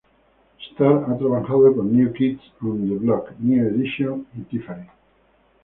Starr ha trabajado con New Kids on the Block, New Edition y Tiffany.